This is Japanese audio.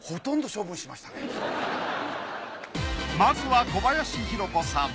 まずは小林弘子さん。